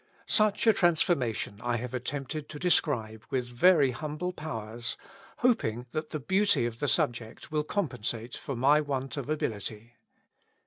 Such a transformation I have attempted to describe with very humble powers, hoping that the beauty of the subject will compensate for my want of ability.